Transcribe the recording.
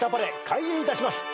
開演いたします。